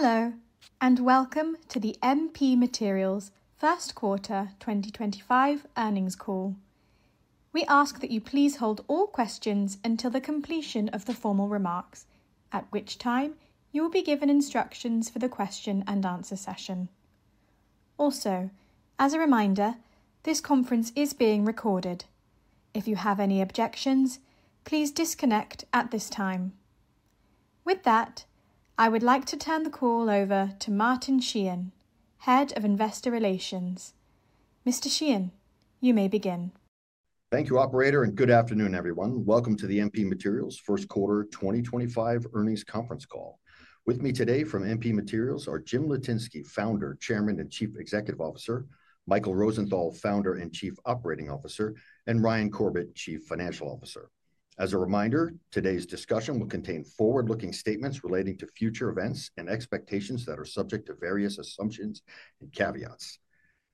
Hello, and welcome to the MP Materials first quarter 2025 earnings call. We ask that you please hold all questions until the completion of the formal remarks, at which time you will be given instructions for the question and answer session. Also, as a reminder, this conference is being recorded. If you have any objections, please disconnect at this time. With that, I would like to turn the call over to Martin Sheehan, Head of Investor Relations. Mr. Sheehan, you may begin. Thank you, Operator, and good afternoon, everyone. Welcome to the MP Materials first quarter 2025 earnings conference call. With me today from MP Materials are James H. Litinsky, Founder, Chairman, and Chief Executive Officer, Michael Rosenthal, Founder and Chief Operating Officer, and Ryan Corbett, Chief Financial Officer. As a reminder, today's discussion will contain forward-looking statements relating to future events and expectations that are subject to various assumptions and caveats.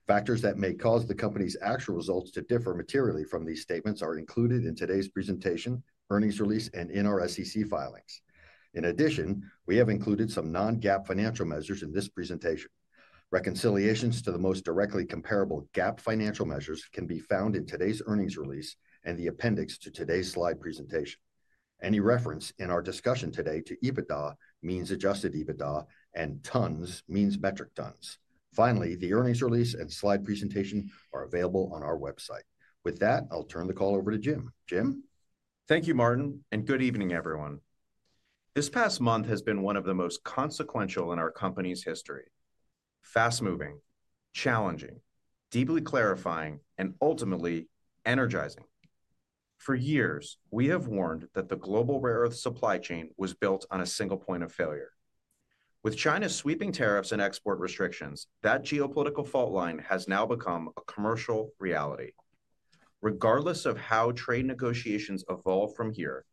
Factors that may cause the company's actual results to differ materially from these statements are included in today's presentation, earnings release, and in our SEC filings. In addition, we have included some non-GAAP financial measures in this presentation. Reconciliations to the most directly comparable GAAP financial measures can be found in today's earnings release and the appendix to today's slide presentation. Any reference in our discussion today to EBITDA means Adjusted EBITDA, and tons means metric tons. Finally, the earnings release and slide presentation are available on our website. With that, I'll turn the call over to Jim. Jim? Thank you, Martin, and good evening, everyone. This past month has been one of the most consequential in our company's history: fast-moving, challenging, deeply clarifying, and ultimately energizing. For years, we have warned that the global rare earth supply chain was built on a single point of failure. With China's sweeping tariffs and export restrictions, that geopolitical fault line has now become a commercial reality. Regardless of how trade negotiations evolve from here,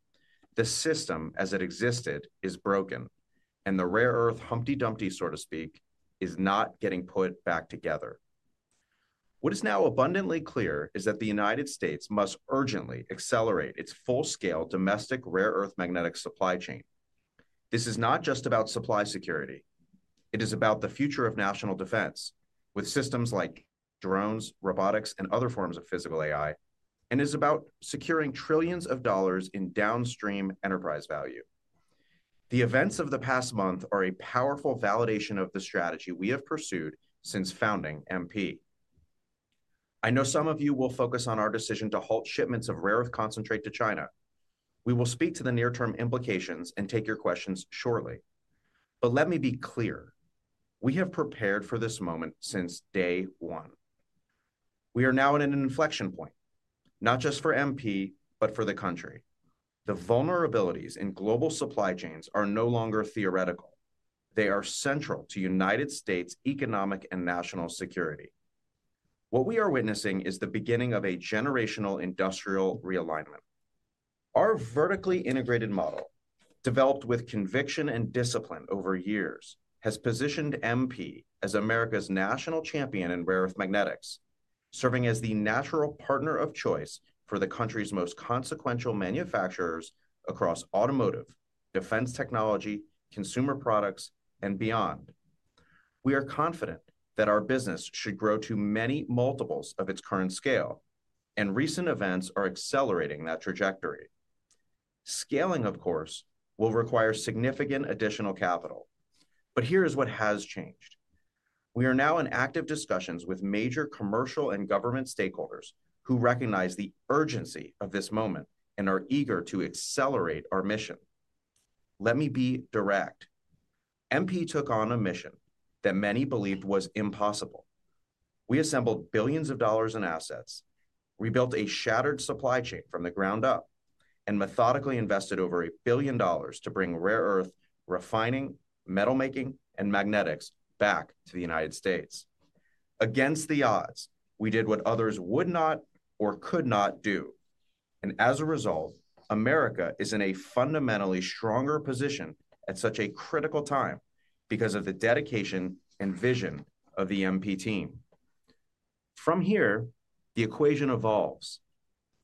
the system as it existed is broken, and the rare earth Humpty Dumpty, so to speak, is not getting put back together. What is now abundantly clear is that the United States must urgently accelerate its full-scale domestic rare earth magnetic supply chain. This is not just about supply security. It is about the future of national defense, with systems like drones, robotics, and other forms of physical AI, and is about securing trillions of dollars in downstream enterprise value. The events of the past month are a powerful validation of the strategy we have pursued since founding MP. I know some of you will focus on our decision to halt shipments of rare earth concentrate to China. We will speak to the near-term implications and take your questions shortly. But let me be clear: we have prepared for this moment since day one. We are now at an inflection point, not just for MP, but for the country. The vulnerabilities in global supply chains are no longer theoretical. They are central to the United States' economic and national security. What we are witnessing is the beginning of a generational industrial realignment. Our vertically integrated model, developed with conviction and discipline over years, has positioned MP as America's national champion in rare earth magnetics, serving as the natural partner of choice for the country's most consequential manufacturers across automotive, defense technology, consumer products, and beyond. We are confident that our business should grow to many multiples of its current scale, and recent events are accelerating that trajectory. Scaling, of course, will require significant additional capital. But here is what has changed: we are now in active discussions with major commercial and government stakeholders who recognize the urgency of this moment and are eager to accelerate our mission. Let me be direct. MP took on a mission that many believed was impossible. We assembled billions of dollars in assets, rebuilt a shattered supply chain from the ground up, and methodically invested over a billion dollars to bring rare earth refining, metal making, and magnetics back to the United States. Against the odds, we did what others would not or could not do. And as a result, America is in a fundamentally stronger position at such a critical time because of the dedication and vision of the MP team. From here, the equation evolves.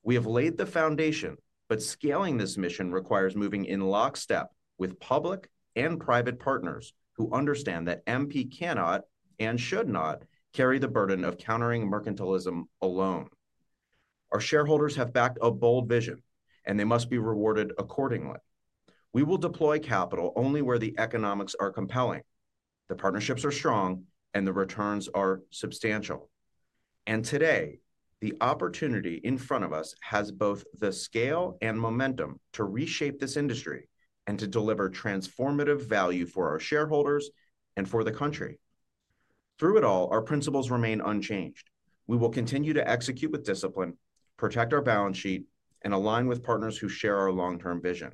We have laid the foundation, but scaling this mission requires moving in lockstep with public and private partners who understand that MP cannot and should not carry the burden of countering mercantilism alone. Our shareholders have backed a bold vision, and they must be rewarded accordingly. We will deploy capital only where the economics are compelling, the partnerships are strong, and the returns are substantial. Today, the opportunity in front of us has both the scale and momentum to reshape this industry and to deliver transformative value for our shareholders and for the country. Through it all, our principles remain unchanged. We will continue to execute with discipline, protect our balance sheet, and align with partners who share our long-term vision.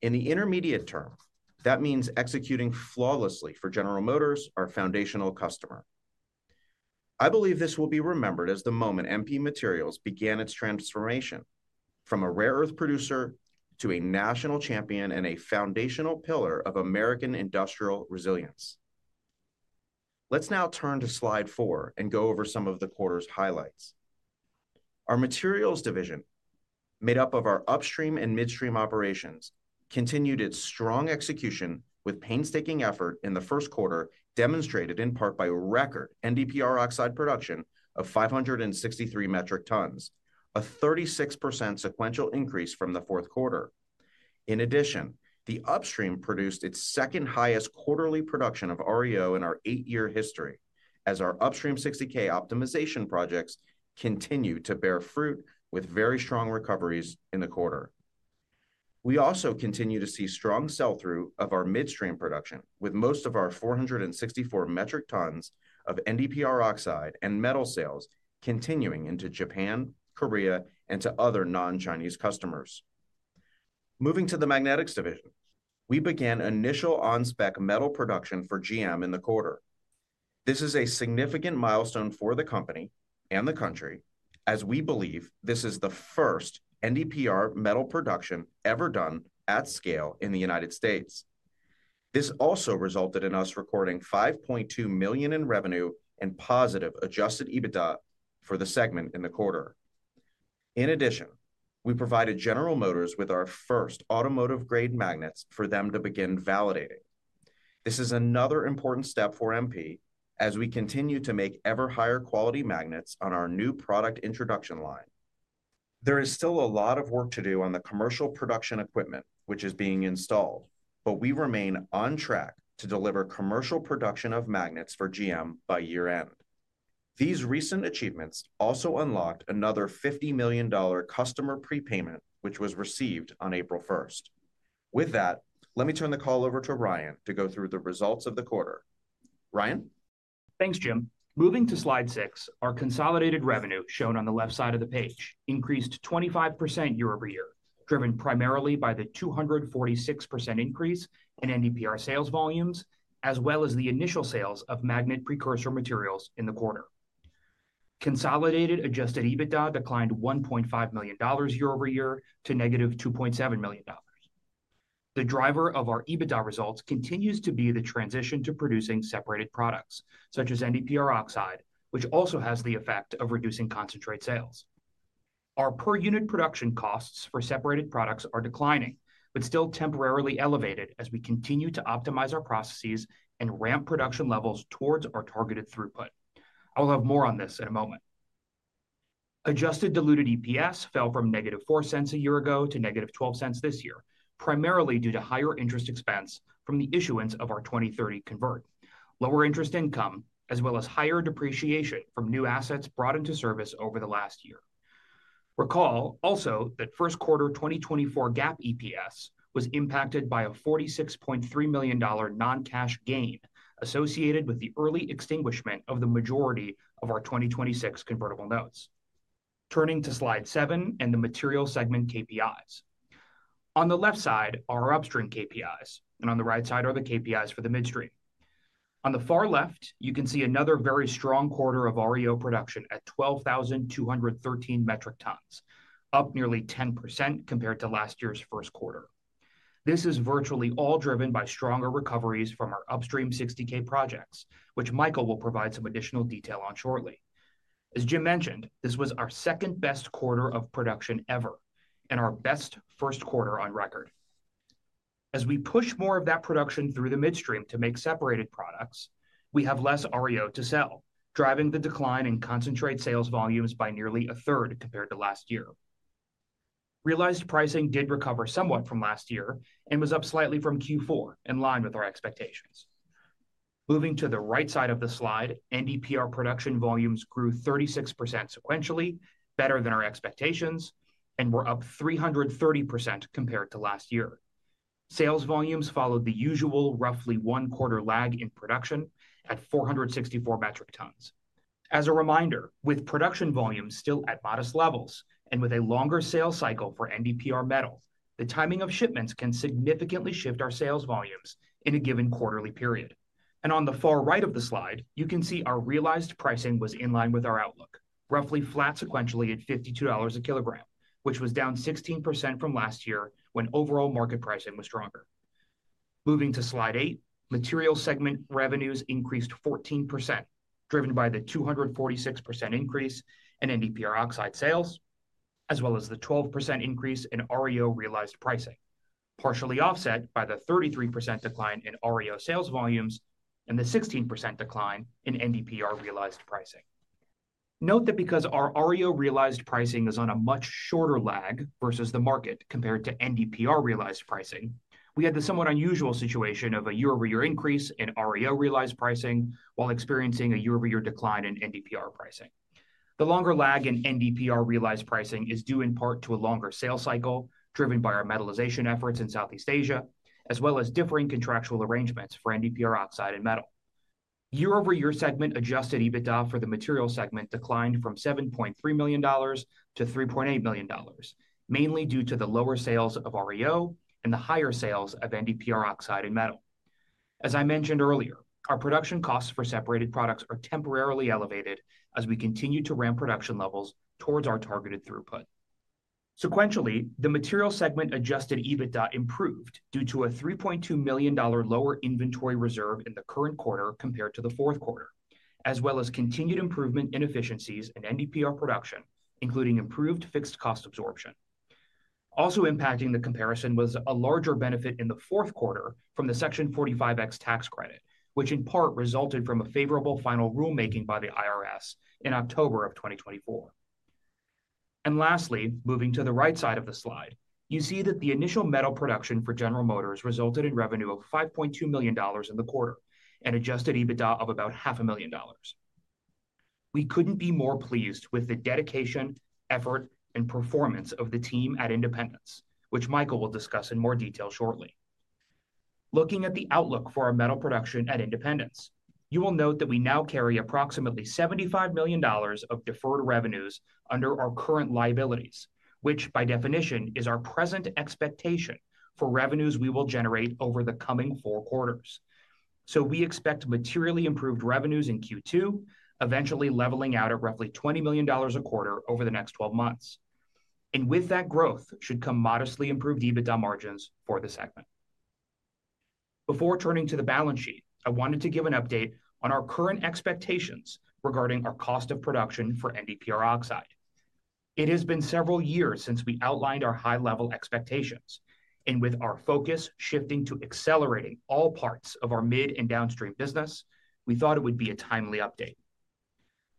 In the intermediate term, that means executing flawlessly for General Motors, our foundational customer. I believe this will be remembered as the moment MP Materials began its transformation from a rare earth producer to a national champion and a foundational pillar of American industrial resilience. Let's now turn to slide four and go over some of the quarter's highlights. Our materials division, made up of our upstream and midstream operations, continued its strong execution with painstaking effort in the first quarter, demonstrated in part by record NdPr oxide production of 563 metric tons, a 36% sequential increase from the fourth quarter. In addition, the upstream produced its second highest quarterly production of REO in our eight-year history, as our Upstream 60K optimization projects continue to bear fruit with very strong recoveries in the quarter. We also continue to see strong sell-through of our midstream production, with most of our 464 metric tons of NdPr oxide and metal sales continuing into Japan, Korea, and to other non-Chinese customers. Moving to the magnetics division, we began initial on-spec metal production for GM in the quarter. This is a significant milestone for the company and the country, as we believe this is the first NdPr metal production ever done at scale in the United States. This also resulted in us recording $5.2 million in revenue and positive adjusted EBITDA for the segment in the quarter. In addition, we provided General Motors with our first automotive-grade magnets for them to begin validating. This is another important step for MP, as we continue to make ever higher quality magnets on our new product introduction line. There is still a lot of work to do on the commercial production equipment, which is being installed, but we remain on track to deliver commercial production of magnets for GM by year-end. These recent achievements also unlocked another $50 million customer prepayment, which was received on April 1st. With that, let me turn the call over to Ryan to go through the results of the quarter. Ryan? Thanks, Jim. Moving to slide six, our consolidated revenue shown on the left side of the page increased 25% year over year, driven primarily by the 246% increase in NdPr sales volumes, as well as the initial sales of magnet precursor materials in the quarter. Consolidated adjusted EBITDA declined $1.5 million year over year to negative $2.7 million. The driver of our EBITDA results continues to be the transition to producing separated products, such as NdPr oxide, which also has the effect of reducing concentrate sales. Our per-unit production costs for separated products are declining, but still temporarily elevated as we continue to optimize our processes and ramp production levels towards our targeted throughput. I will have more on this in a moment. Adjusted diluted EPS fell from negative $0.04 a year ago to negative $0.12 this year, primarily due to higher interest expense from the issuance of our 2030 convert, lower interest income, as well as higher depreciation from new assets brought into service over the last year. Recall also that first quarter 2024 GAAP EPS was impacted by a $46.3 million non-cash gain associated with the early extinguishment of the majority of our 2026 convertible notes. Turning to slide seven and the material segment KPIs. On the left side are our upstream KPIs, and on the right side are the KPIs for the midstream. On the far left, you can see another very strong quarter of REO production at 12,213 metric tons, up nearly 10% compared to last year's first quarter. This is virtually all driven by stronger recoveries from our Upstream 60K projects, which Michael will provide some additional detail on shortly. As Jim mentioned, this was our second best quarter of production ever and our best first quarter on record. As we push more of that production through the midstream to make separated products, we have less REO to sell, driving the decline in concentrate sales volumes by nearly a third compared to last year. Realized pricing did recover somewhat from last year and was up slightly from Q4, in line with our expectations. Moving to the right side of the slide, NdPr production volumes grew 36% sequentially, better than our expectations, and were up 330% compared to last year. Sales volumes followed the usual roughly one-quarter lag in production at 464 metric tons. As a reminder, with production volumes still at modest levels and with a longer sales cycle for NdPr metals, the timing of shipments can significantly shift our sales volumes in a given quarterly period, and on the far right of the slide, you can see our realized pricing was in line with our outlook, roughly flat sequentially at $52 a kilogram, which was down 16% from last year when overall market pricing was stronger. Moving to slide eight, material segment revenues increased 14%, driven by the 246% increase in NdPr oxide sales, as well as the 12% increase in REO realized pricing, partially offset by the 33% decline in REO sales volumes and the 16% decline in NdPr realized pricing. Note that because our REO realized pricing is on a much shorter lag versus the market compared to NdPr realized pricing, we had the somewhat unusual situation of a year-over-year increase in REO realized pricing while experiencing a year-over-year decline in NdPr pricing. The longer lag in NdPr realized pricing is due in part to a longer sales cycle, driven by our metallization efforts in Southeast Asia, as well as differing contractual arrangements for NdPr oxide and metal. Year-over-year segment Adjusted EBITDA for the material segment declined from $7.3 million to $3.8 million, mainly due to the lower sales of REO and the higher sales of NdPr oxide and metal. As I mentioned earlier, our production costs for separated products are temporarily elevated as we continue to ramp production levels towards our targeted throughput. Sequentially, the material segment Adjusted EBITDA improved due to a $3.2 million lower inventory reserve in the current quarter compared to the fourth quarter, as well as continued improvement in efficiencies in NdPr production, including improved fixed cost absorption. Also impacting the comparison was a larger benefit in the fourth quarter from the Section 45X tax credit, which in part resulted from a favorable final rulemaking by the IRS in October of 2024. Lastly, moving to the right side of the slide, you see that the initial metal production for General Motors resulted in revenue of $5.2 million in the quarter and Adjusted EBITDA of about $500,000. We couldn't be more pleased with the dedication, effort, and performance of the team at independence, which Michael will discuss in more detail shortly. Looking at the outlook for our metal production at independence, you will note that we now carry approximately $75 million of deferred revenues under our current liabilities, which by definition is our present expectation for revenues we will generate over the coming four quarters. So we expect materially improved revenues in Q2, eventually leveling out at roughly $20 million a quarter over the next 12 months. And with that growth should come modestly improved EBITDA margins for the segment. Before turning to the balance sheet, I wanted to give an update on our current expectations regarding our cost of production for NdPr oxide. It has been several years since we outlined our high-level expectations. And with our focus shifting to accelerating all parts of our midstream and downstream business, we thought it would be a timely update.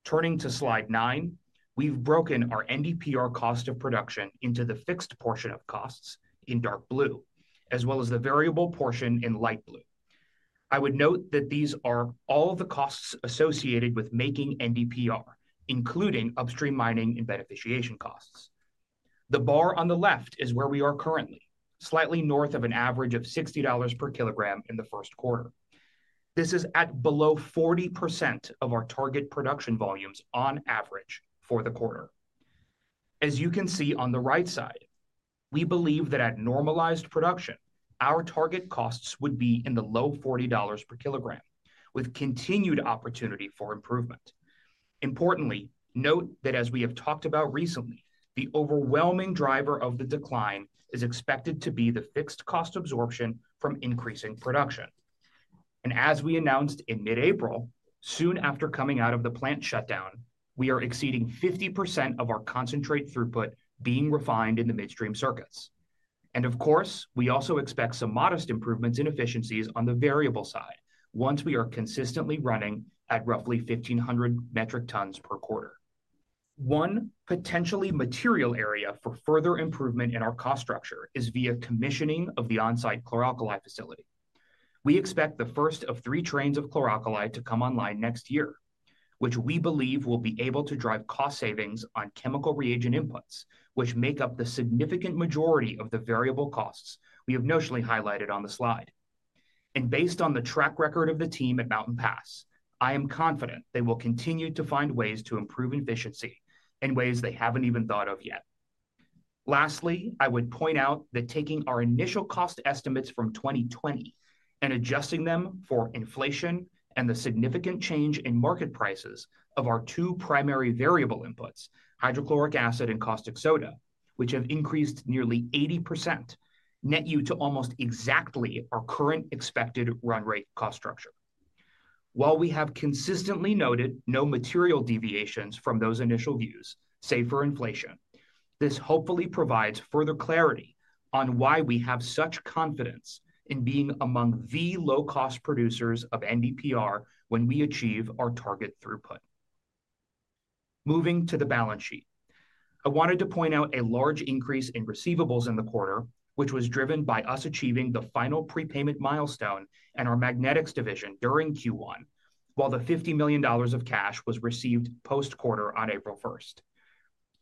Turning to slide nine, we've broken our NdPr cost of production into the fixed portion of costs in dark blue, as well as the variable portion in light blue. I would note that these are all the costs associated with making NdPr, including upstream mining and beneficiation costs. The bar on the left is where we are currently, slightly north of an average of $60 per kilogram in the first quarter. This is at below 40% of our target production volumes on average for the quarter. As you can see on the right side, we believe that at normalized production, our target costs would be in the low $40 per kilogram, with continued opportunity for improvement. Importantly, note that as we have talked about recently, the overwhelming driver of the decline is expected to be the fixed cost absorption from increasing production. As we announced in mid-April, soon after coming out of the plant shutdown, we are exceeding 50% of our concentrate throughput being refined in the midstream circuits. Of course, we also expect some modest improvements in efficiencies on the variable side once we are consistently running at roughly 1,500 metric tons per quarter. One potentially material area for further improvement in our cost structure is via commissioning of the on-site chlor-alkali facility. We expect the first of three trains of chlor-alkali to come online next year, which we believe will be able to drive cost savings on chemical reagent inputs, which make up the significant majority of the variable costs we have notionally highlighted on the slide. And based on the track record of the team at Mountain Pass, I am confident they will continue to find ways to improve efficiency in ways they haven't even thought of yet. Lastly, I would point out that taking our initial cost estimates from 2020 and adjusting them for inflation and the significant change in market prices of our two primary variable inputs, hydrochloric acid and caustic soda, which have increased nearly 80%, net you to almost exactly our current expected run rate cost structure. While we have consistently noted no material deviations from those initial views, save for inflation, this hopefully provides further clarity on why we have such confidence in being among the low-cost producers of NDPR when we achieve our target throughput. Moving to the balance sheet, I wanted to point out a large increase in receivables in the quarter, which was driven by us achieving the final prepayment milestone in our magnetics division during Q1, while the $50 million of cash was received post-quarter on April 1st.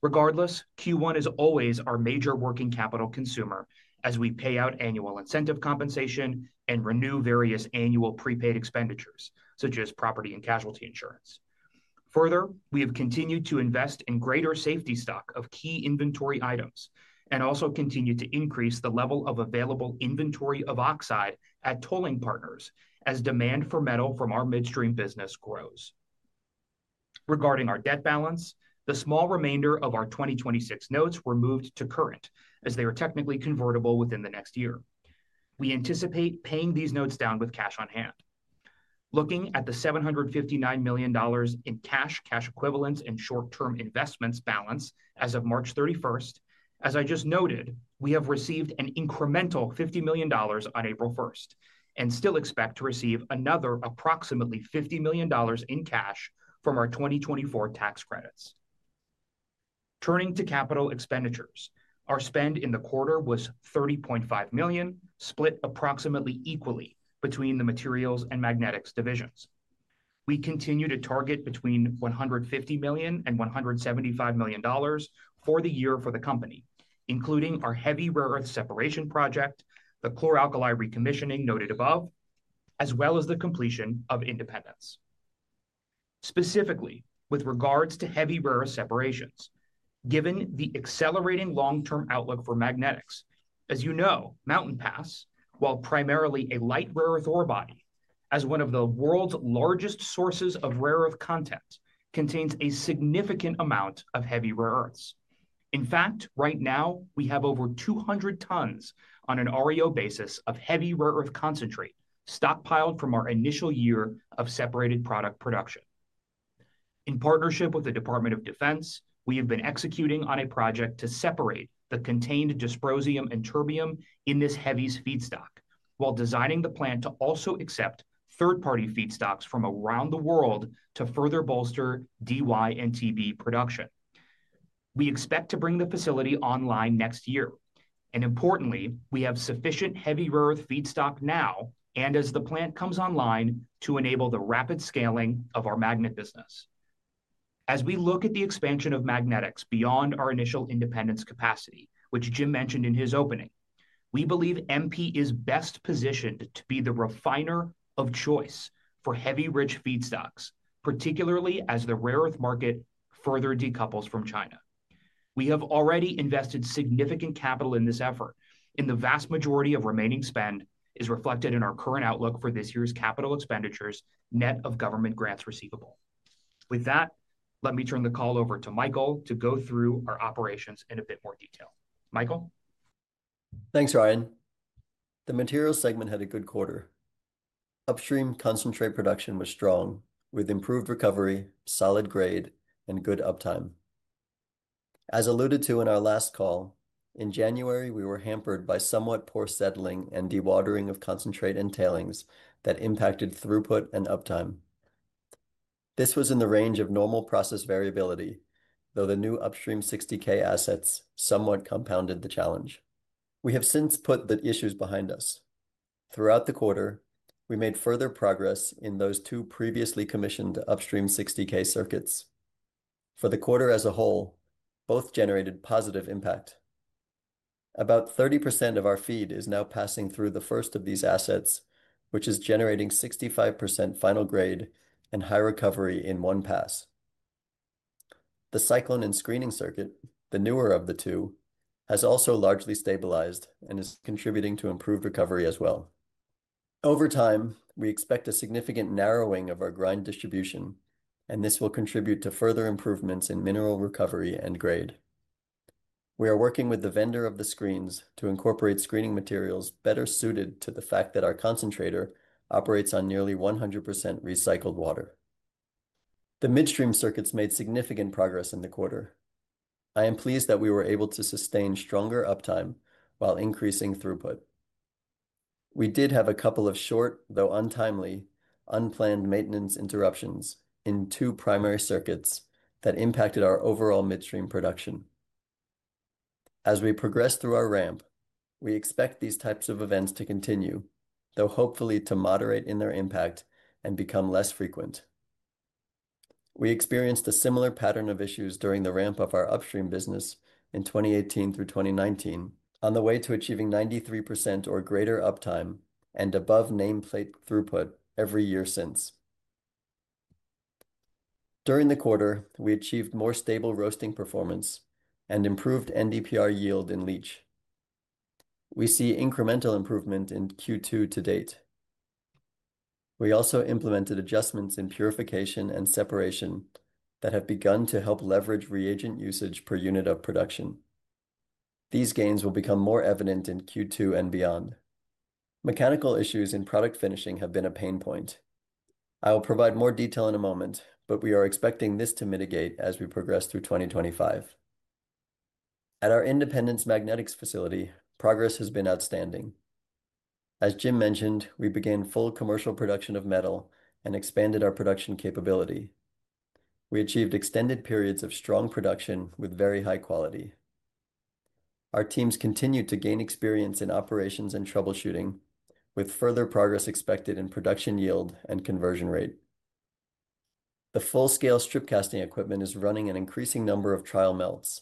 Regardless, Q1 is always our major working capital consumer as we pay out annual incentive compensation and renew various annual prepaid expenditures, such as property and casualty insurance. Further, we have continued to invest in greater safety stock of key inventory items and also continue to increase the level of available inventory of oxide at Tolling Partners as demand for metal from our midstream business grows. Regarding our debt balance, the small remainder of our 2026 notes were moved to current as they are technically convertible within the next year. We anticipate paying these notes down with cash on hand. Looking at the $759 million in cash, cash equivalents, and short-term investments balance as of March 31st, as I just noted, we have received an incremental $50 million on April 1st and still expect to receive another approximately $50 million in cash from our 2024 tax credits. Turning to capital expenditures, our spend in the quarter was $30.5 million, split approximately equally between the materials and magnetics divisions. We continue to target between $150 million and $175 million for the year for the company, including our heavy rare earth separation project, the chlor-alkali recommissioning noted above, as well as the completion of Independence. Specifically, with regards to heavy rare earth separations, given the accelerating long-term outlook for magnetics, as you know, Mountain Pass, while primarily a light rare earth ore body, as one of the world's largest sources of rare earth content, contains a significant amount of heavy rare earths. In fact, right now, we have over 200 tons on an REO basis of heavy rare earth concentrate stockpiled from our initial year of separated product production. In partnership with the Department of Defense, we have been executing on a project to separate the contained dysprosium and terbium in this heavy feedstock while designing the plant to also accept third-party feedstocks from around the world to further bolster DyTb production. We expect to bring the facility online next year. And importantly, we have sufficient heavy rare earth feedstock now and as the plant comes online to enable the rapid scaling of our magnet business. As we look at the expansion of magnetics beyond our initial Independence capacity, which Jim mentioned in his opening, we believe MP is best positioned to be the refiner of choice for heavy rich feedstocks, particularly as the rare earth market further decouples from China. We have already invested significant capital in this effort, and the vast majority of remaining spend is reflected in our current outlook for this year's capital expenditures net of government grants receivable. With that, let me turn the call over to Michael to go through our operations in a bit more detail. Michael. Thanks, Ryan. The materials segment had a good quarter. Upstream concentrate production was strong with improved recovery, solid grade, and good uptime. As alluded to in our last call, in January, we were hampered by somewhat poor settling and dewatering of concentrate and tailings that impacted throughput and uptime. This was in the range of normal process variability, though the new Upstream 60K assets somewhat compounded the challenge. We have since put the issues behind us. Throughout the quarter, we made further progress in those two previously commissioned Upstream 60K circuits. For the quarter as a whole, both generated positive impact. About 30% of our feed is now passing through the first of these assets, which is generating 65% final grade and high recovery in one pass. The cyclone and screening circuit, the newer of the two, has also largely stabilized and is contributing to improved recovery as well. Over time, we expect a significant narrowing of our grind distribution, and this will contribute to further improvements in mineral recovery and grade. We are working with the vendor of the screens to incorporate screening materials better suited to the fact that our concentrator operates on nearly 100% recycled water. The midstream circuits made significant progress in the quarter. I am pleased that we were able to sustain stronger uptime while increasing throughput. We did have a couple of short, though untimely, unplanned maintenance interruptions in two primary circuits that impacted our overall midstream production. As we progress through our ramp, we expect these types of events to continue, though hopefully to moderate in their impact and become less frequent. We experienced a similar pattern of issues during the ramp of our upstream business in 2018 through 2019 on the way to achieving 93% or greater uptime and above nameplate throughput every year since. During the quarter, we achieved more stable roasting performance and improved NdPr yield in leach. We see incremental improvement in Q2 to date. We also implemented adjustments in purification and separation that have begun to help leverage reagent usage per unit of production. These gains will become more evident in Q2 and beyond. Mechanical issues in product finishing have been a pain point. I will provide more detail in a moment, but we are expecting this to mitigate as we progress through 2025. At our Independence magnetics facility, progress has been outstanding. As Jim mentioned, we began full commercial production of metal and expanded our production capability. We achieved extended periods of strong production with very high quality. Our teams continue to gain experience in operations and troubleshooting, with further progress expected in production yield and conversion rate. The full-scale strip casting equipment is running an increasing number of trial melts.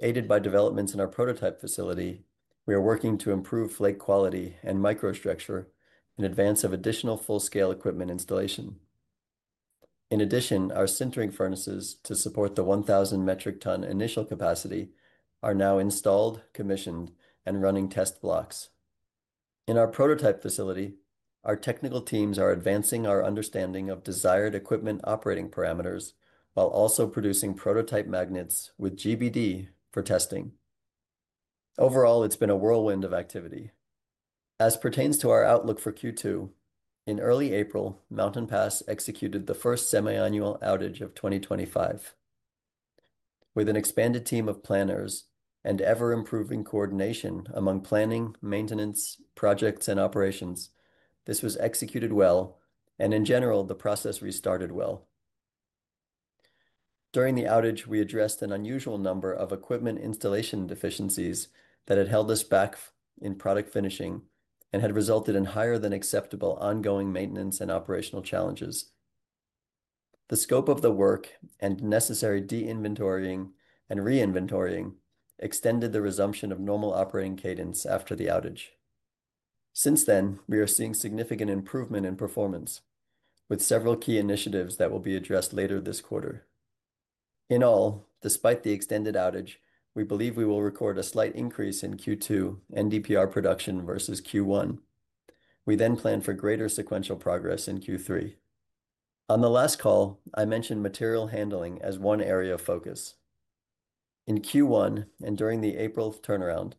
Aided by developments in our prototype facility, we are working to improve flake quality and microstructure in advance of additional full-scale equipment installation. In addition, our sintering furnaces to support the 1,000 metric ton initial capacity are now installed, commissioned, and running test blocks. In our prototype facility, our technical teams are advancing our understanding of desired equipment operating parameters while also producing prototype magnets with GBD for testing. Overall, it's been a whirlwind of activity. As pertains to our outlook for Q2, in early April, Mountain Pass executed the first semiannual outage of 2025. With an expanded team of planners and ever-improving coordination among planning, maintenance, projects, and operations, this was executed well, and in general, the process restarted well. During the outage, we addressed an unusual number of equipment installation deficiencies that had held us back in product finishing and had resulted in higher than acceptable ongoing maintenance and operational challenges. The scope of the work and necessary de-inventorying and re-inventorying extended the resumption of normal operating cadence after the outage. Since then, we are seeing significant improvement in performance, with several key initiatives that will be addressed later this quarter. In all, despite the extended outage, we believe we will record a slight increase in Q2 NdPr production versus Q1. We then plan for greater sequential progress in Q3. On the last call, I mentioned material handling as one area of focus. In Q1 and during the April turnaround,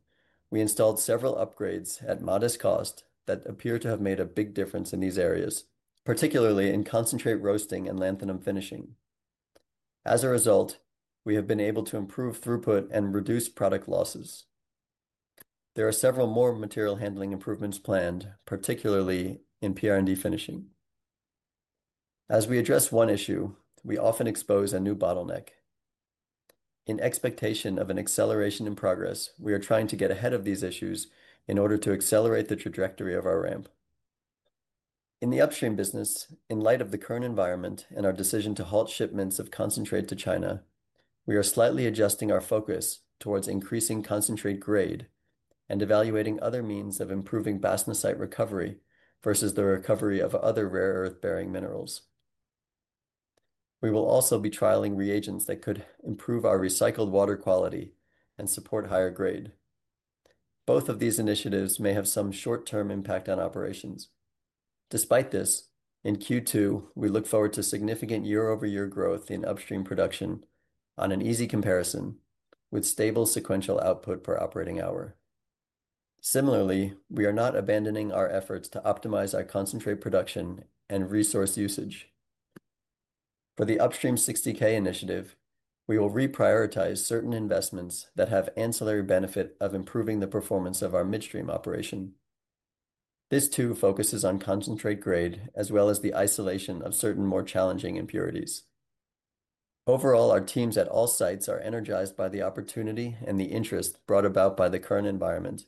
we installed several upgrades at modest cost that appear to have made a big difference in these areas, particularly in concentrate roasting and lanthanum finishing. As a result, we have been able to improve throughput and reduce product losses. There are several more material handling improvements planned, particularly in NdPr finishing. As we address one issue, we often expose a new bottleneck. In expectation of an acceleration in progress, we are trying to get ahead of these issues in order to accelerate the trajectory of our ramp. In the upstream business, in light of the current environment and our decision to halt shipments of concentrate to China, we are slightly adjusting our focus towards increasing concentrate grade and evaluating other means of improving bastnaesite recovery versus the recovery of other rare earth-bearing minerals. We will also be trialing reagents that could improve our recycled water quality and support higher grade. Both of these initiatives may have some short-term impact on operations. Despite this, in Q2, we look forward to significant year-over-year growth in upstream production on an easy comparison with stable sequential output per operating hour. Similarly, we are not abandoning our efforts to optimize our concentrate production and resource usage. For the Upstream 60K initiative, we will reprioritize certain investments that have ancillary benefit of improving the performance of our midstream operation. This too focuses on concentrate grade as well as the isolation of certain more challenging impurities. Overall, our teams at all sites are energized by the opportunity and the interest brought about by the current environment,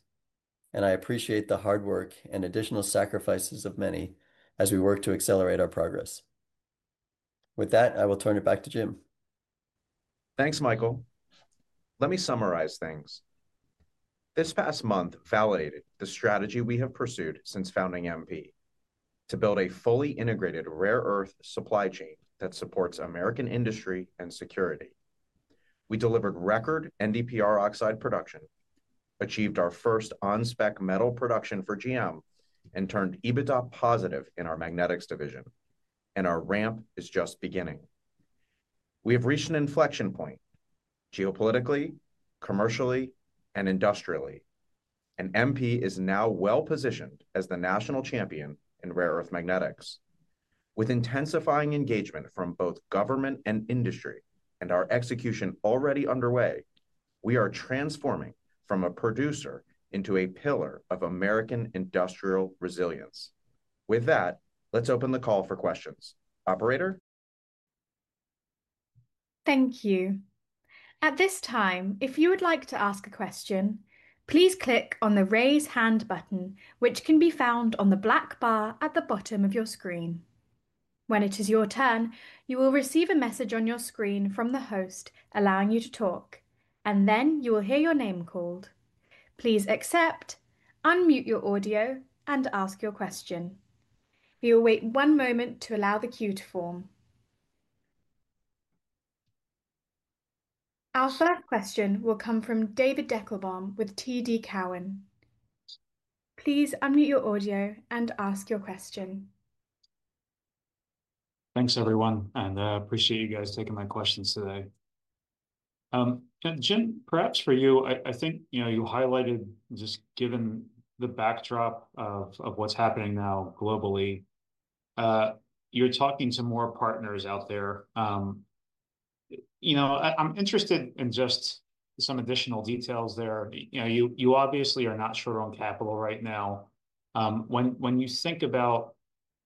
and I appreciate the hard work and additional sacrifices of many as we work to accelerate our progress. With that, I will turn it back to Jim. Thanks, Michael. Let me summarize things. This past month validated the strategy we have pursued since founding MP to build a fully integrated rare earth supply chain that supports American industry and security. We delivered record NdPr oxide production, achieved our first on-spec metal production for GM, and turned EBITDA positive in our magnetics division, and our ramp is just beginning. We have reached an inflection point geopolitically, commercially, and industrially, and MP is now well-positioned as the national champion in rare earth magnetics. With intensifying engagement from both government and industry and our execution already underway, we are transforming from a producer into a pillar of American industrial resilience. With that, let's open the call for questions. Operator? Thank you. At this time, if you would like to ask a question, please click on the raise hand button, which can be found on the black bar at the bottom of your screen. When it is your turn, you will receive a message on your screen from the host allowing you to talk, and then you will hear your name called. Please accept, unmute your audio, and ask your question. We will wait one moment to allow the queue to form. Our first question will come from David Deckelbaum with TD Cowen. Please unmute your audio and ask your question. Thanks, everyone, and I appreciate you guys taking my questions today. Jim, perhaps for you, I think you highlighted, just given the backdrop of what's happening now globally, you're talking to more partners out there. I'm interested in just some additional details there. You obviously are not short on capital right now. When you think about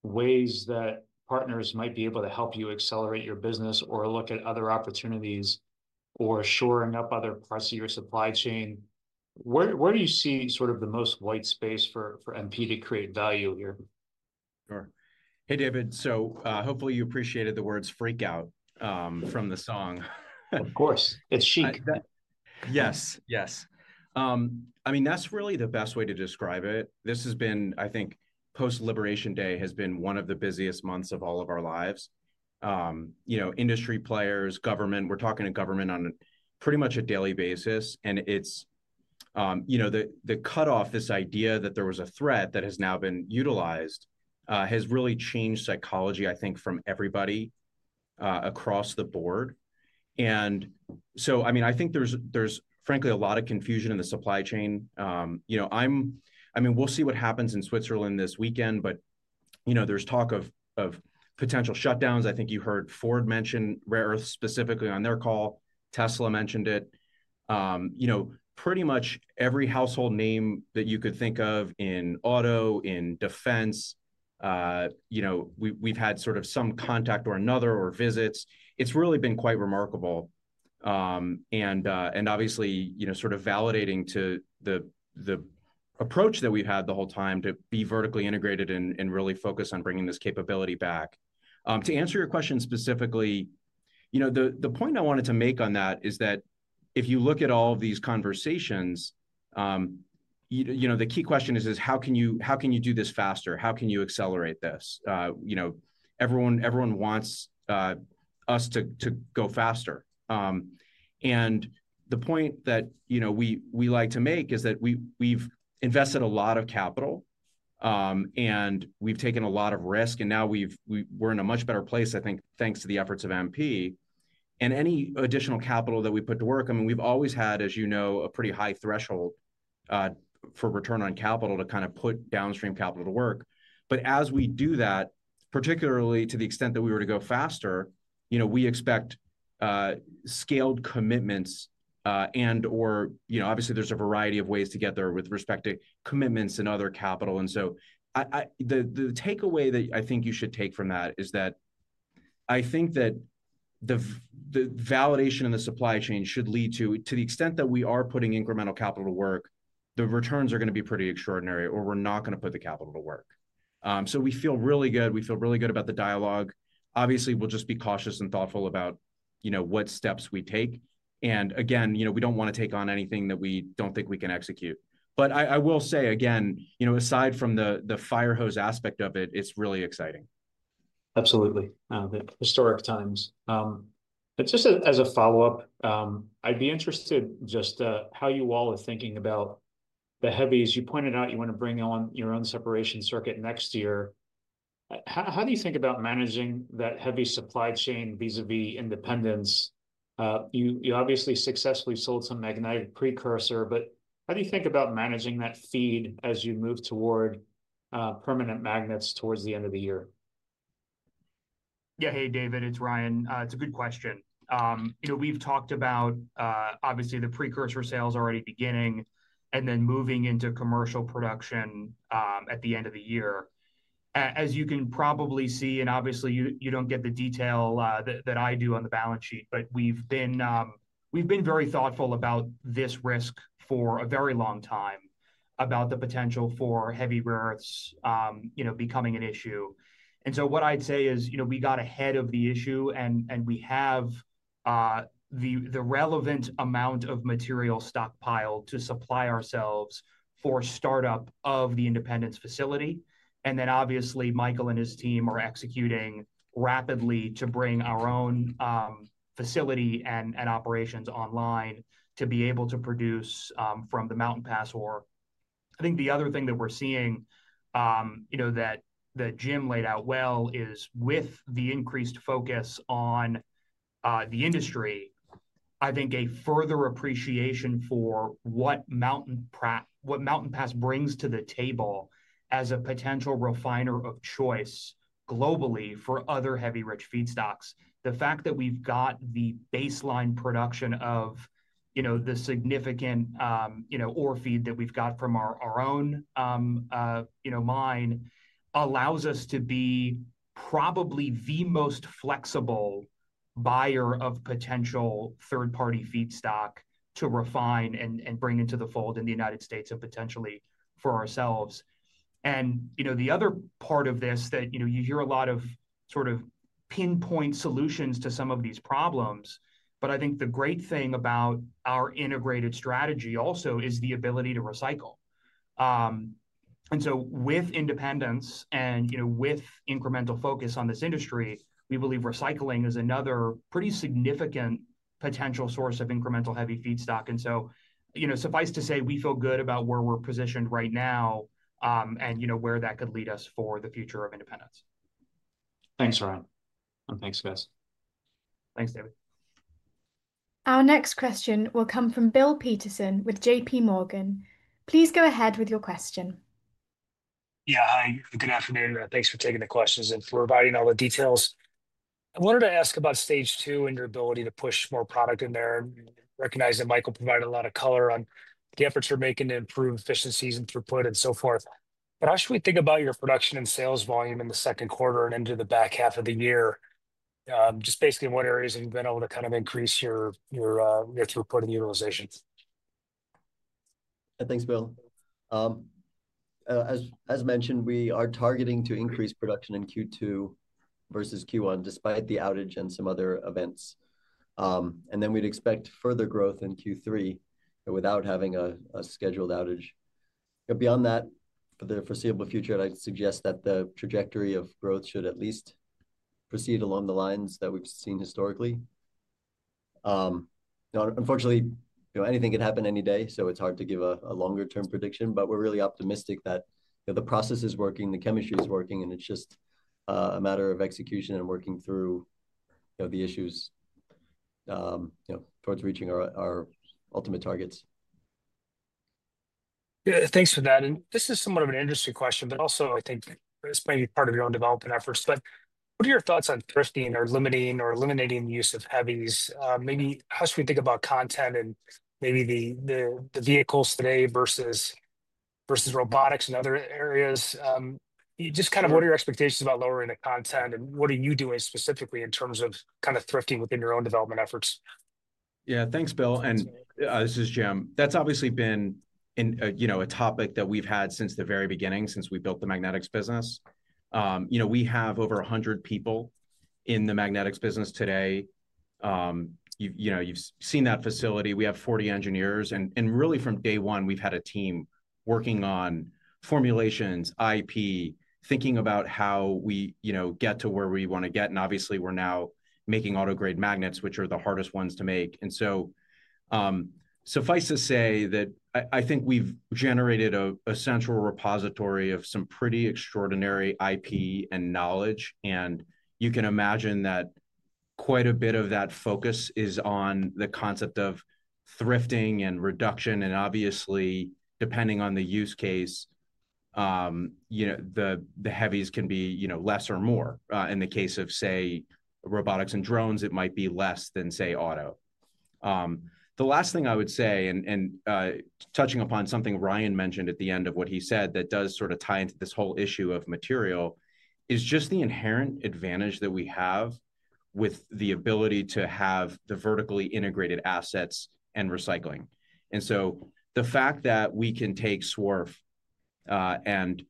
ways that partners might be able to help you accelerate your business or look at other opportunities or shoring up other parts of your supply chain, where do you see sort of the most white space for MP to create value here? Sure. Hey, David, so hopefully you appreciated the words "freak out" from the song. Of course. It's chic. Yes, yes. I mean, that's really the best way to describe it. This has been, I think, post-Liberation Day has been one of the busiest months of all of our lives. Industry players, government, we're talking to government on pretty much a daily basis, and it's the cutoff. This idea that there was a threat that has now been utilized has really changed psychology, I think, from everybody across the board. And so, I mean, I think there's, frankly, a lot of confusion in the supply chain. I mean, we'll see what happens in Switzerland this weekend, but there's talk of potential shutdowns. I think you heard Ford mention rare earth specifically on their call. Tesla mentioned it. Pretty much every household name that you could think of in auto, in defense, we've had sort of some contact or another or visits. It's really been quite remarkable. And obviously, sort of validating to the approach that we've had the whole time to be vertically integrated and really focus on bringing this capability back. To answer your question specifically, the point I wanted to make on that is that if you look at all of these conversations, the key question is, how can you do this faster? How can you accelerate this? Everyone wants us to go faster. And the point that we like to make is that we've invested a lot of capital, and we've taken a lot of risk, and now we're in a much better place, I think, thanks to the efforts of MP. And any additional capital that we put to work, I mean, we've always had, as you know, a pretty high threshold for return on capital to kind of put downstream capital to work. But as we do that, particularly to the extent that we were to go faster, we expect scaled commitments and/or obviously, there's a variety of ways to get there with respect to commitments and other capital. And so the takeaway that I think you should take from that is that I think that the validation in the supply chain should lead to the extent that we are putting incremental capital to work, the returns are going to be pretty extraordinary or we're not going to put the capital to work. So we feel really good. We feel really good about the dialogue. Obviously, we'll just be cautious and thoughtful about what steps we take. And again, we don't want to take on anything that we don't think we can execute. But I will say, again, aside from the fire hose aspect of it, it's really exciting. Absolutely. Historic times. But just as a follow-up, I'd be interested in just how you all are thinking about the heavy. As you pointed out, you want to bring on your own separation circuit next year. How do you think about managing that heavy supply chain vis-à-vis Independence? You obviously successfully sold some magnetic precursor, but how do you think about managing that feed as you move toward permanent magnets towards the end of the year? Yeah. Hey, David, it's Ryan. It's a good question. We've talked about, obviously, the precursor sales already beginning and then moving into commercial production at the end of the year. As you can probably see, and obviously, you don't get the detail that I do on the balance sheet, but we've been very thoughtful about this risk for a very long time about the potential for heavy rare earths becoming an issue. And so what I'd say is we got ahead of the issue, and we have the relevant amount of material stockpiled to supply ourselves for startup of the Independence facility. And then, obviously, Michael and his team are executing rapidly to bring our own facility and operations online to be able to produce from the Mountain Pass ore. I think the other thing that we're seeing that Jim laid out well is with the increased focus on the industry, I think a further appreciation for what Mountain Pass brings to the table as a potential refiner of choice globally for other heavy rare feedstocks. The fact that we've got the baseline production of the significant ore feed that we've got from our own mine allows us to be probably the most flexible buyer of potential third-party feedstock to refine and bring into the fold in the United States and potentially for ourselves. And the other part of this that you hear a lot of sort of pinpoint solutions to some of these problems, but I think the great thing about our integrated strategy also is the ability to recycle. And so with Independence and with incremental focus on this industry, we believe recycling is another pretty significant potential source of incremental heavy feedstock. And so suffice to say, we feel good about where we're positioned right now and where that could lead us for the future of Independence. Thanks, Ryan. And thanks, guys. Thanks, David. Our next question will come from Bill Peterson with J.P. Morgan. Please go ahead with your question. Yeah. Good afternoon. Thanks for taking the questions and for providing all the details. I wanted to ask about Stage II and your ability to push more product in there. Recognize that Michael provided a lot of color on the efforts you're making to improve efficiencies and throughput and so forth. But how should we think about your production and sales volume in the second quarter and into the back half of the year? Just basically what areas have you been able to kind of increase your throughput and utilization? Thanks, Bill. As mentioned, we are targeting to increase production in Q2 versus Q1 despite the outage and some other events. And then we'd expect further growth in Q3 without having a scheduled outage. Beyond that, for the foreseeable future, I'd suggest that the trajectory of growth should at least proceed along the lines that we've seen historically. Unfortunately, anything could happen any day, so it's hard to give a longer-term prediction, but we're really optimistic that the process is working, the chemistry is working, and it's just a matter of execution and working through the issues towards reaching our ultimate targets. Thanks for that, and this is somewhat of an interesting question, but also, I think this may be part of your own development efforts, but what are your thoughts on thrifting or limiting or eliminating the use of heavies? Maybe how should we think about content and maybe the vehicles today versus robotics and other areas? Just kind of what are your expectations about lowering the content and what are you doing specifically in terms of kind of thrifting within your own development efforts? Yeah. Thanks, Bill. And this is Jim. That's obviously been a topic that we've had since the very beginning, since we built the magnetics business. We have over 100 people in the magnetics business today. You've seen that facility. We have 40 engineers. And really, from day one, we've had a team working on formulations, IP, thinking about how we get to where we want to get. And obviously, we're now making automotive-grade magnets, which are the hardest ones to make. And so suffice to say that I think we've generated a central repository of some pretty extraordinary IP and knowledge. And you can imagine that quite a bit of that focus is on the concept of thrifting and reduction. And obviously, depending on the use case, the heavies can be less or more. In the case of, say, robotics and drones, it might be less than, say, auto. The last thing I would say, and touching upon something Ryan mentioned at the end of what he said that does sort of tie into this whole issue of material, is just the inherent advantage that we have with the ability to have the vertically integrated assets and recycling. And so the fact that we can take swarf and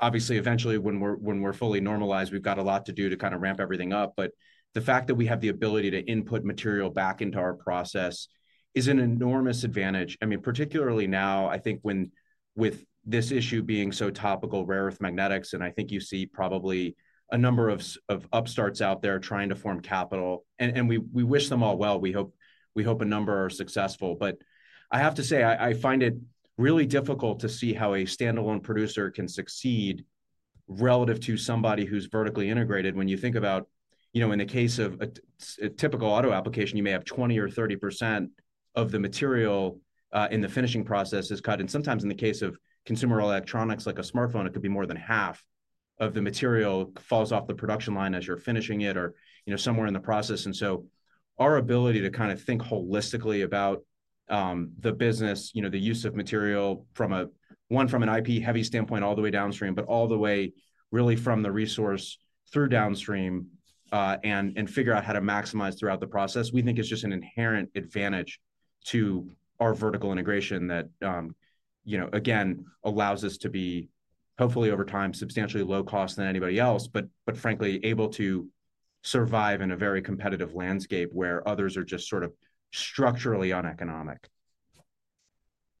obviously, eventually, when we're fully normalized, we've got a lot to do to kind of ramp everything up. But the fact that we have the ability to input material back into our process is an enormous advantage. I mean, particularly now, I think with this issue being so topical, rare earth magnetics, and I think you see probably a number of upstarts out there trying to form capital. And we wish them all well. We hope a number are successful. But I have to say, I find it really difficult to see how a standalone producer can succeed relative to somebody who's vertically integrated when you think about, in the case of a typical auto application, you may have 20% or 30% of the material in the finishing process is cut. And sometimes, in the case of consumer electronics like a smartphone, it could be more than half of the material falls off the production line as you're finishing it or somewhere in the process. And so our ability to kind of think holistically about the business, the use of material from an IP heavy standpoint all the way downstream, but all the way really from the resource through downstream and figure out how to maximize throughout the process, we think is just an inherent advantage to our vertical integration that, again, allows us to be, hopefully, over time, substantially low-cost than anybody else, but frankly, able to survive in a very competitive landscape where others are just sort of structurally uneconomic.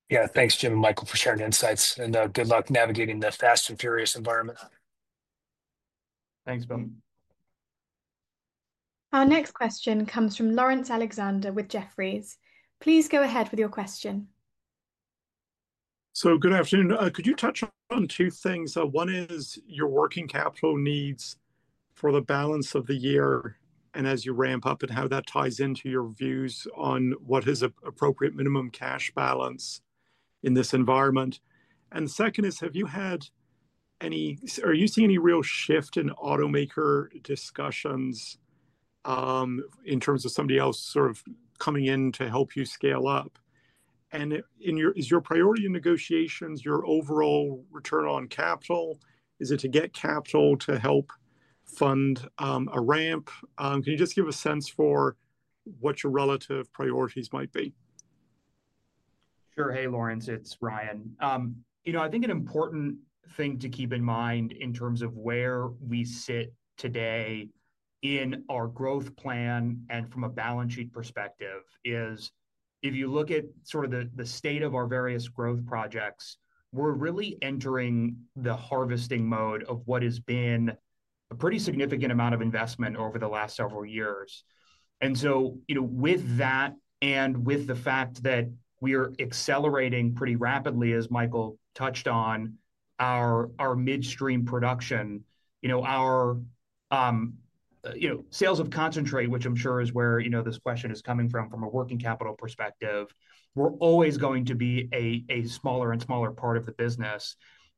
Yeah. Thanks, Jim and Michael, for sharing insights. And good luck navigating the fast and furious environment. Thanks, Bill. Our next question comes from Laurence Alexander with Jefferies. Please go ahead with your question. So good afternoon. Could you touch on two things? One is your working capital needs for the balance of the year and as you ramp up and how that ties into your views on what is an appropriate minimum cash balance in this environment. And the second is, have you had any or are you seeing any real shift in automaker discussions in terms of somebody else sort of coming in to help you scale up? And is your priority in negotiations your overall return on capital? Is it to get capital to help fund a ramp? Can you just give a sense for what your relative priorities might be? Sure. Hey, Lawrence. It's Ryan. I think an important thing to keep in mind in terms of where we sit today in our growth plan and from a balance sheet perspective is if you look at sort of the state of our various growth projects, we're really entering the harvesting mode of what has been a pretty significant amount of investment over the last several years. And so with that and with the fact that we are accelerating pretty rapidly, as Michael touched on, our midstream production, our sales of concentrate, which I'm sure is where this question is coming from, from a working capital perspective, we're always going to be a smaller and smaller part of the business.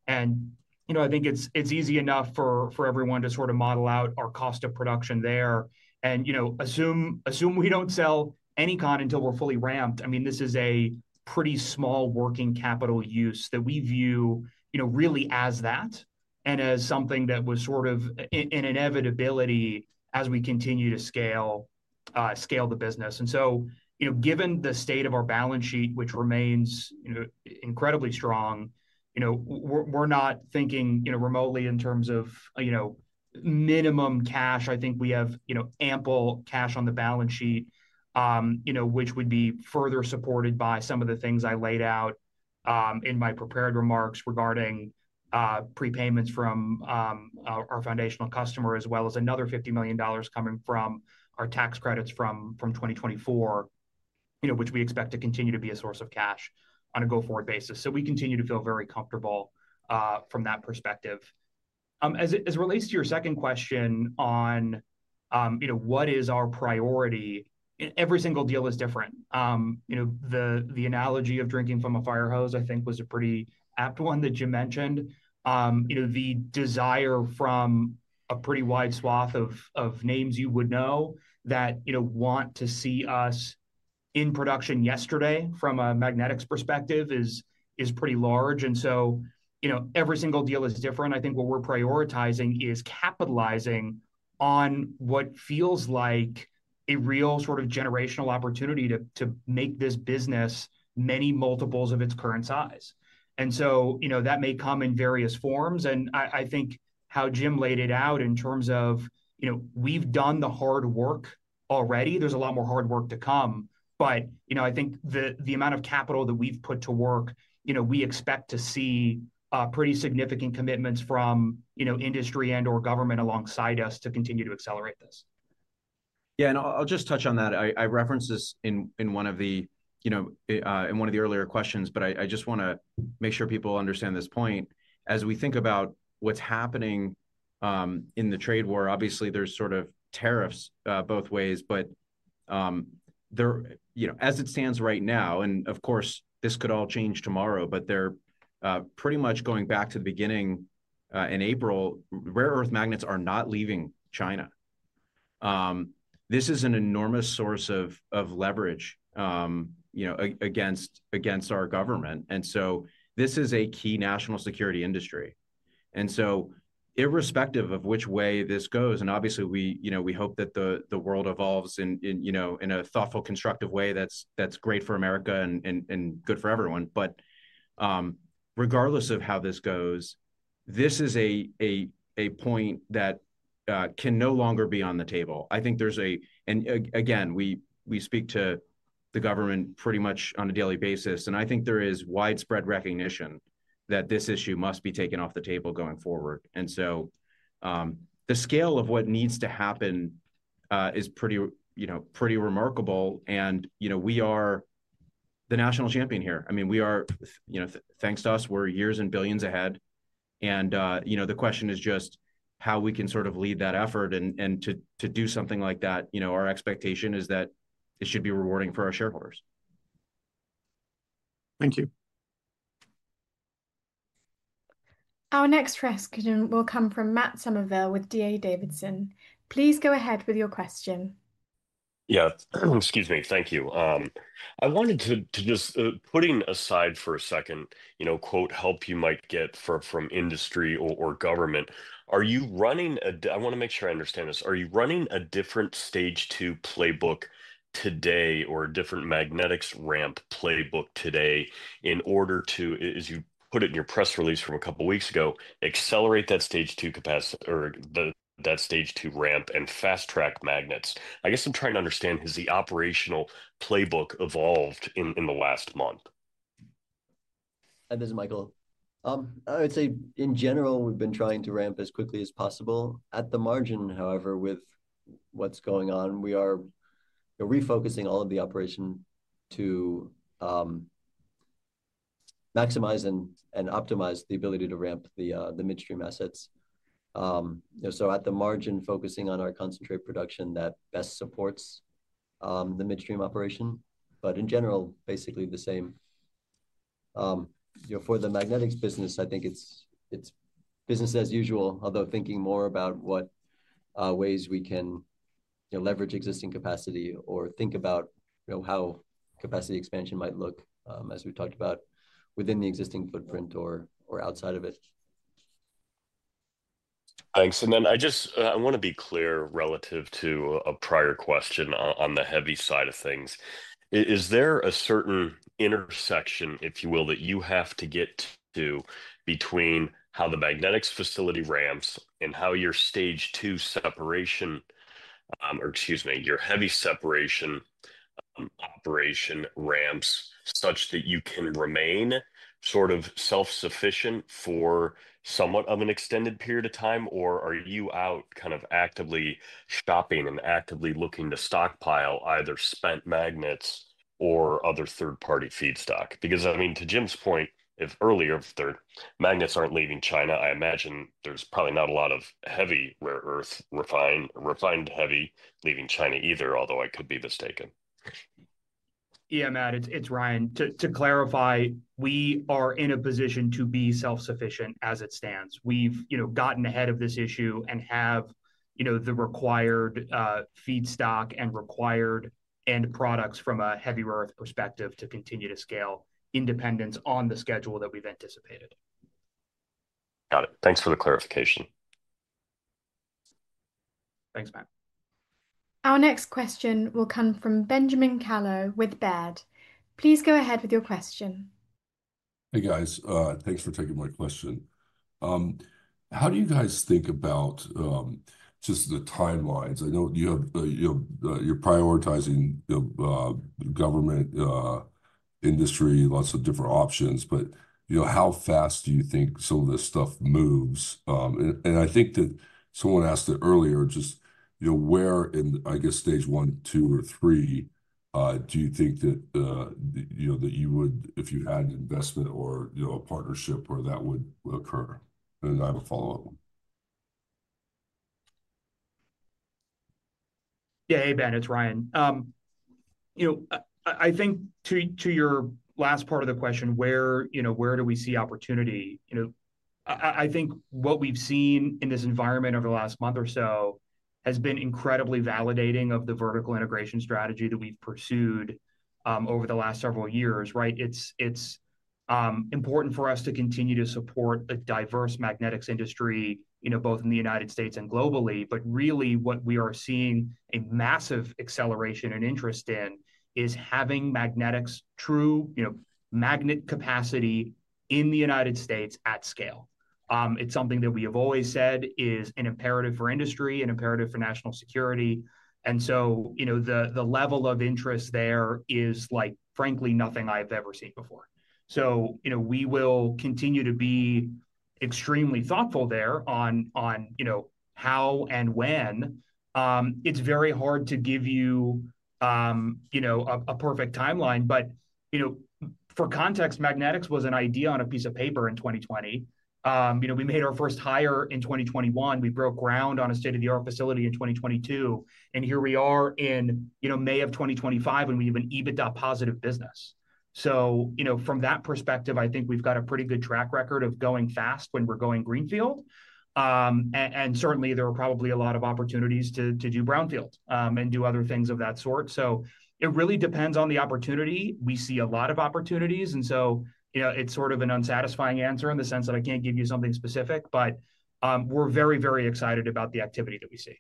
And I think it's easy enough for everyone to sort of model out our cost of production there and assume we don't sell any kind until we're fully ramped. I mean, this is a pretty small working capital use that we view really as that and as something that was sort of an inevitability as we continue to scale the business, and so given the state of our balance sheet, which remains incredibly strong, we're not thinking remotely in terms of minimum cash. I think we have ample cash on the balance sheet, which would be further supported by some of the things I laid out in my prepared remarks regarding prepayments from our foundational customer, as well as another $50 million coming from our tax credits from 2024, which we expect to continue to be a source of cash on a go-forward basis, so we continue to feel very comfortable from that perspective. As it relates to your second question on what is our priority, every single deal is different. The analogy of drinking from a fire hose, I think, was a pretty apt one that Jim mentioned. The desire from a pretty wide swath of names you would know that want to see us in production yesterday from a magnetics perspective is pretty large. And so every single deal is different. I think what we're prioritizing is capitalizing on what feels like a real sort of generational opportunity to make this business many multiples of its current size. And so that may come in various forms. And I think how Jim laid it out in terms of we've done the hard work already. There's a lot more hard work to come. But I think the amount of capital that we've put to work, we expect to see pretty significant commitments from industry and/or government alongside us to continue to accelerate this. Yeah. And I'll just touch on that. I referenced this in one of the earlier questions, but I just want to make sure people understand this point. As we think about what's happening in the trade war, obviously, there's sort of tariffs both ways. But as it stands right now, and of course, this could all change tomorrow, but they're pretty much going back to the beginning in April, rare earth magnets are not leaving China. This is an enormous source of leverage against our government. And so this is a key national security industry. And so irrespective of which way this goes, and obviously, we hope that the world evolves in a thoughtful, constructive way that's great for America and good for everyone. But regardless of how this goes, this is a point that can no longer be on the table. I think there's a, and again, we speak to the government pretty much on a daily basis, and I think there is widespread recognition that this issue must be taken off the table going forward. And so the scale of what needs to happen is pretty remarkable, and we are the national champion here. I mean, thanks to us, we're years and billions ahead. And the question is just how we can sort of lead that effort and to do something like that. Our expectation is that it should be rewarding for our shareholders. Thank you. Our next question will come from Matt Somerville with D.A. Davidson. Please go ahead with your question. Yeah. Excuse me. Thank you. I wanted to, just putting aside for a second, "Help you might get from industry or government." I want to make sure I understand this. Are you running a different Stage II playbook today or a different magnetics ramp playbook today in order to, as you put it in your press release from a couple of weeks ago, accelerate that Stage II capacity or that Stage II ramp and fast-track magnets? I guess I'm trying to understand, has the operational playbook evolved in the last month? Hi, this is Michael. I would say, in general, we've been trying to ramp as quickly as possible. At the margin, however, with what's going on, we are refocusing all of the operation to maximize and optimize the ability to ramp the midstream assets. So at the margin, focusing on our concentrate production that best supports the midstream operation. But in general, basically the same. For the magnetics business, I think it's business as usual, although thinking more about what ways we can leverage existing capacity or think about how capacity expansion might look, as we've talked about, within the existing footprint or outside of it. Thanks. And then I just want to be clear relative to a prior question on the heavy side of things. Is there a certain intersection, if you will, that you have to get to between how the magnetics facility ramps and how your Stage II separation or, excuse me, your heavy separation operation ramps such that you can remain sort of self-sufficient for somewhat of an extended period of time? Or are you out kind of actively shopping and actively looking to stockpile either spent magnets or other third-party feedstock? Because, I mean, to Jim's point, if earlier, if their magnets aren't leaving China, I imagine there's probably not a lot of heavy rare earth, refined heavy leaving China either, although I could be mistaken. Yeah, Matt. It's Ryan. To clarify, we are in a position to be self-sufficient as it stands. We've gotten ahead of this issue and have the required feedstock and required end products from a heavy rare earth perspective to continue to scale Independence on the schedule that we've anticipated. Got it. Thanks for the clarification. Thanks, Matt. Our next question will come from Ben Kallo with Baird. Please go ahead with your question. Hey, guys. Thanks for taking my question. How do you guys think about just the timelines? I know you're prioritizing government, industry, lots of different options. But how fast do you think some of this stuff moves? And I think that someone asked it earlier, just where, I guess, Stage I, II, or III do you think that you would, if you had investment or a partnership, where that would occur? And I have a follow-up. Yeah. Hey, Ben. It's Ryan. I think to your last part of the question, where do we see opportunity? I think what we've seen in this environment over the last month or so has been incredibly validating of the vertical integration strategy that we've pursued over the last several years, right? It's important for us to continue to support a diverse magnetics industry both in the United States and globally. But really, what we are seeing a massive acceleration and interest in is having magnetics' true magnet capacity in the United States at scale. It's something that we have always said is an imperative for industry, an imperative for national security. And so the level of interest there is, frankly, nothing I've ever seen before. So we will continue to be extremely thoughtful there on how and when. It's very hard to give you a perfect timeline. But for context, magnetics was an idea on a piece of paper in 2020. We made our first hire in 2021. We broke ground on a state-of-the-art facility in 2022. And here we are in May of 2025, and we have an EBITDA positive business. So from that perspective, I think we've got a pretty good track record of going fast when we're going greenfield. And certainly, there are probably a lot of opportunities to do brownfield and do other things of that sort. So it really depends on the opportunity. We see a lot of opportunities. And so it's sort of an unsatisfying answer in the sense that I can't give you something specific. But we're very, very excited about the activity that we see.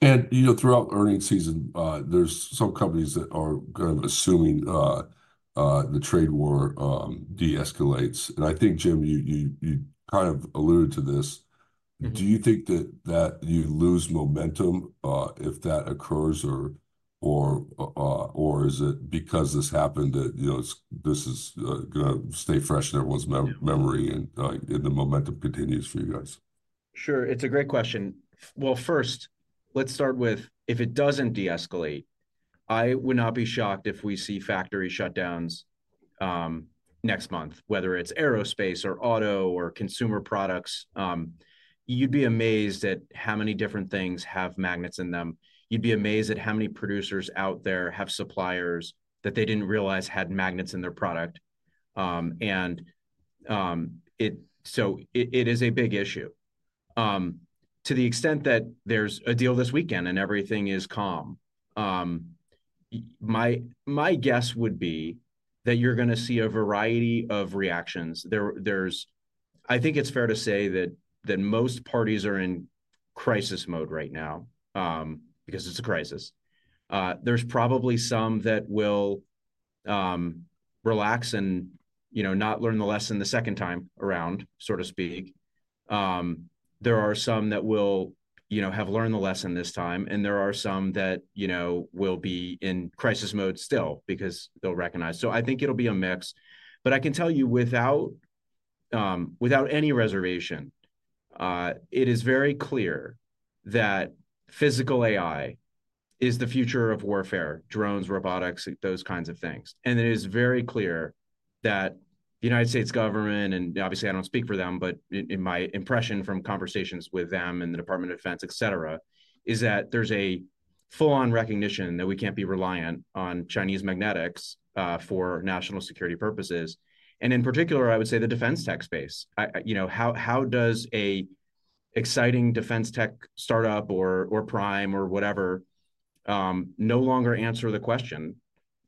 And throughout earnings season, there's some companies that are kind of assuming the trade war de-escalates. And I think, Jim, you kind of alluded to this. Do you think that you lose momentum if that occurs, or is it because this happened that this is going to stay fresh in everyone's memory and the momentum continues for you guys? Sure. It's a great question. Well, first, let's start with, if it doesn't de-escalate, I would not be shocked if we see factory shutdowns next month, whether it's aerospace or auto or consumer products. You'd be amazed at how many different things have magnets in them. You'd be amazed at how many producers out there have suppliers that they didn't realize had magnets in their product. And so it is a big issue. To the extent that there's a deal this weekend and everything is calm, my guess would be that you're going to see a variety of reactions. I think it's fair to say that most parties are in crisis mode right now because it's a crisis. There's probably some that will relax and not learn the lesson the second time around, so to speak. There are some that will have learned the lesson this time. And there are some that will be in crisis mode still because they'll recognize. So I think it'll be a mix. But I can tell you, without any reservation, it is very clear that physical AI is the future of warfare, drones, robotics, those kinds of things. It is very clear that the U.S. government, and obviously, I don't speak for them, but in my impression from conversations with them and the U.S. Department of Defense, etc., is that there's a full-on recognition that we can't be reliant on Chinese magnetics for national security purposes. And in particular, I would say the defense tech space. How does an exciting defense tech startup or prime or whatever no longer answer the question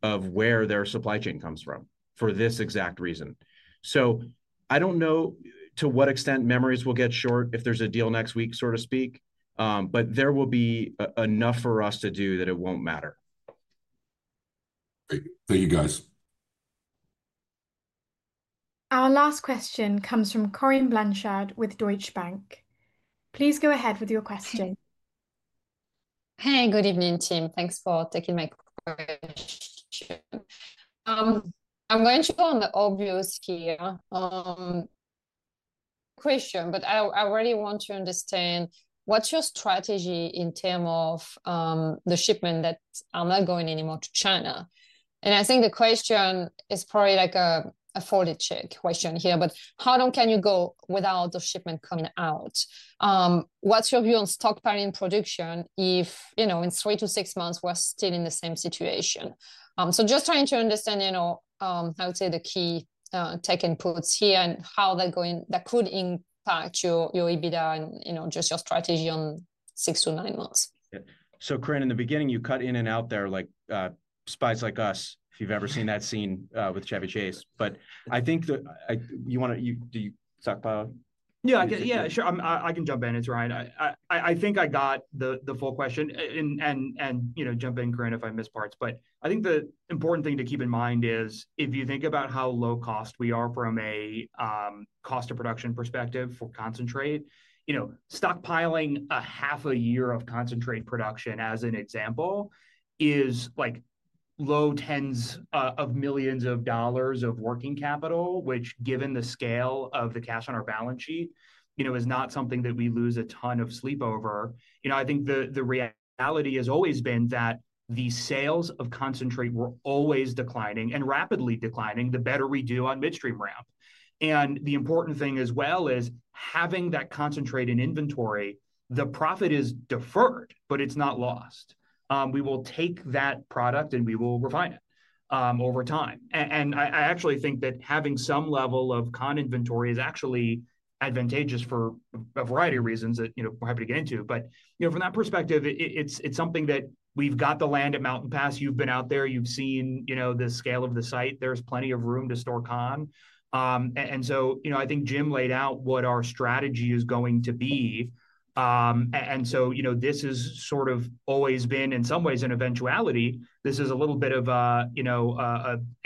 of where their supply chain comes from for this exact reason? So I don't know to what extent memories will get short if there's a deal next week, so to speak. But there will be enough for us to do that it won't matter. Thank you, guys. Our last question comes from Corinne Blanchard with Deutsche Bank. Please go ahead with your question. Hey, good evening, Jim. Thanks for taking my question. I'm going to go on the obvious here. Question, but I really want to understand what's your strategy in terms of the shipment that are not going anymore to China? And I think the question is probably like a reality check question here, but how long can you go without the shipment coming out? What's your view on stockpiling production if in three-to-six months, we're still in the same situation? So just trying to understand, I would say, the key tech inputs here and how that could impact your EBITDA and just your strategy on six-to-nine months. So Corinne, in the beginning, you cut in and out there like Spies Like Us, if you've ever seen that scene with Chevy Chase. But I think you want to do you stockpile? Yeah. Yeah. Sure. I can jump in. It's Ryan. I think I got the full question. And jump in, Corinne, if I miss parts. But I think the important thing to keep in mind is if you think about how low cost we are from a cost of production perspective for concentrate, stockpiling a half a year of concentrate production, as an example, is low tens of millions of dollars of working capital, which, given the scale of the cash on our balance sheet, is not something that we lose a ton of sleep over. I think the reality has always been that the sales of concentrate were always declining and rapidly declining the better we do on midstream ramp. And the important thing as well is having that concentrate in inventory, the profit is deferred, but it's not lost. We will take that product and we will refine it over time. And I actually think that having some level of con inventory is actually advantageous for a variety of reasons that we're happy to get into. But from that perspective, it's something that we've got the land at Mountain Pass. You've been out there. You've seen the scale of the site. There's plenty of room to store con. And so I think Jim laid out what our strategy is going to be. And so this has sort of always been, in some ways, an eventuality. This is a little bit of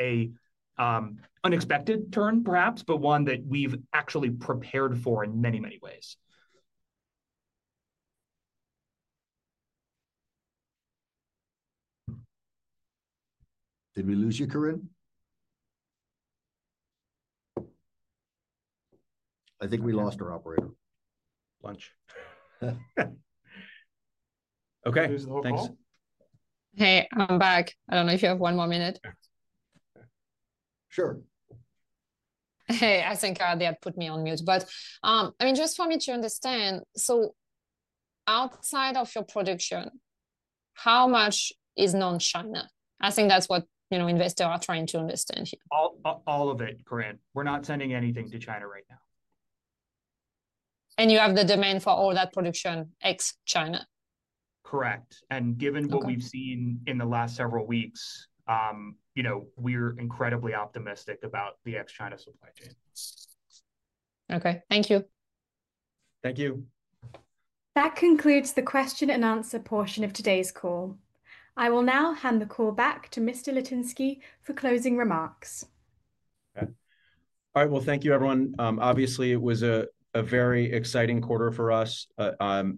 an unexpected turn, perhaps, but one that we've actually prepared for in many, many ways. Did we lose you, Corinne? I think we lost our operator. Blanchard. Okay. Thanks. Hey, I'm back. I don't know if you have one more minute. Sure. Hey, I think they had put me on mute. But I mean, just for me to understand, so outside of your production, how much is non-China? I think that's what investors are trying to understand here. All of it, Corinne. We're not sending anything to China right now. And you have the demand for all that production ex-China? Correct. And given what we've seen in the last several weeks, we're incredibly optimistic about the ex-China supply chain. Okay. Thank you. Thank you. That concludes the question and answer portion of today's call. I will now hand the call back to Mr. Litinsky for closing remarks. All right. Well, thank you, everyone. Obviously, it was a very exciting quarter for us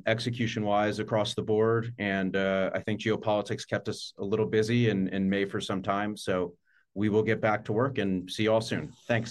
execution-wise across the board. And I think geopolitics kept us a little busy in May for some time. So we will get back to work and see you all soon. Thanks.